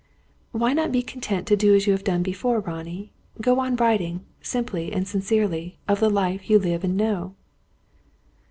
"Why not be content to do as you have done before, Ronnie; go on writing, simply and sincerely, of the life you live and know?"